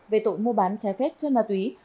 về tội mua bán trái phép trên ma túy